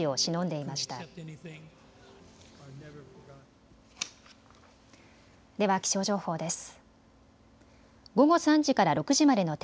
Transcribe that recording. では気象情報です。